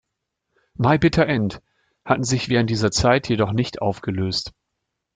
My Bitter End hatten sich während dieser Zeit jedoch nicht aufgelöst.